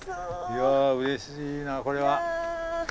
いやうれしいなこれは。